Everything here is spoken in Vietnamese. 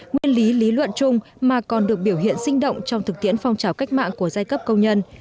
nguyên lý lý luận chung mà còn được biểu hiện sinh động trong thực tiễn phong trào cách mạng của giai cấp công nhân